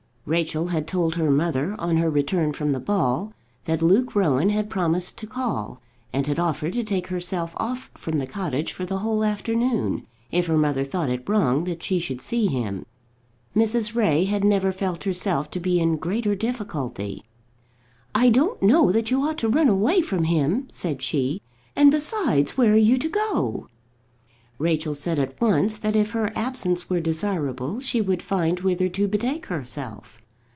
Rachel had told her mother, on her return from the ball, that Luke Rowan had promised to call; and had offered to take herself off from the cottage for the whole afternoon, if her mother thought it wrong that she should see him. Mrs. Ray had never felt herself to be in greater difficulty. "I don't know that you ought to run away from him," said she: "and besides, where are you to go to?" Rachel said at once that if her absence were desirable she would find whither to betake herself.